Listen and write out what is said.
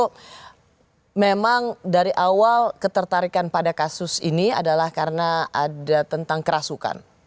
kalau memang dari awal ketertarikan pada kasus ini adalah karena ada tentang kerasukan